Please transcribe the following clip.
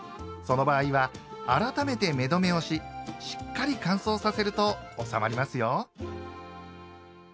その場合は改めて目止めをししっかり乾燥させると収まりますよ。